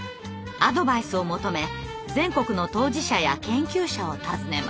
アドバイスを求め全国の当事者や研究者を訪ねます。